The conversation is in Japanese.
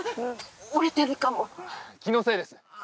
折れてるかも気のせいですああ